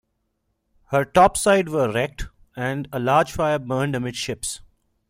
Her topsides were wrecked, and a large fire burned amidships.